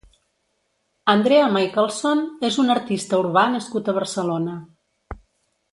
Andrea Michaelsson és un artista urbà nascut a Barcelona.